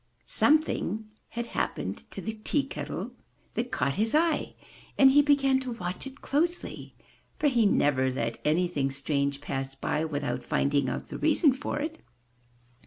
Something had happened to the tea kettle that caught his eye, and he began to watch it closely, for he never let anything strange pass by, without finding out the reason for it.